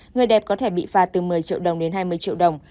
người đẹp có thể bị phạt từ một mươi triệu đồng đến hai mươi triệu đồng